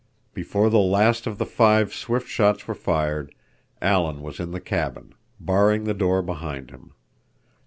Before the last of the five swift shots were fired, Alan was in the cabin, barring the door behind him.